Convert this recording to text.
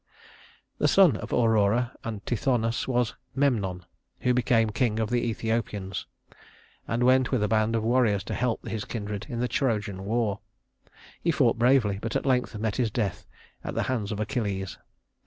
The son of Aurora and Tithonus was Memnon, who became king of the Ethiopians, and went with a band of warriors to help his kindred in the Trojan war. He fought bravely, but at length met his death at the hands of Achilles.